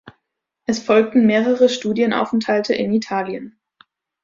Es folgten mehrere Studienaufenthalte in Italien.